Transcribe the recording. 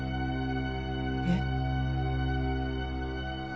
えっ？